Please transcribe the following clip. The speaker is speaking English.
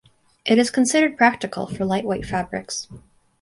It is considered practical for lightweight fabrics.